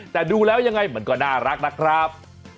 แต่ดูแล้วยังไงมันก็น่ารักนะครับ